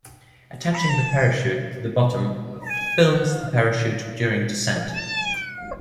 Attaching the parachute to the bottom films the parachute during descent.